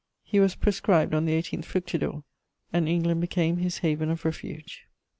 He was proscribed on the 18 Fructidor, and England became his haven of refuge.